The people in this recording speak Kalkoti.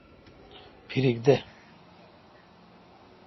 پھریک دہ۔